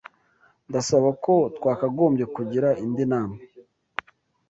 Ndasaba ko twakagombye kugira indi nama.